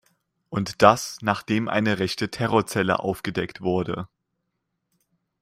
Und das, nachdem eine rechte Terrorzelle aufgedeckt wurde.